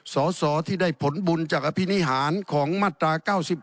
สสที่ได้ผลบุญจากอภินิหารของมาตรา๙๑